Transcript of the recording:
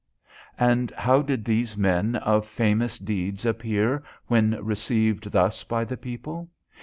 And how did these men of famous deeds appear when received thus by the people?